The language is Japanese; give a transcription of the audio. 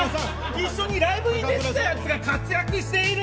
一緒にライブに出ていたやつらが活躍してる。